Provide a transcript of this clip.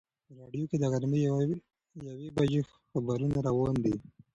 په راډیو کې د غرمې د یوې بجې خبرونه روان دي.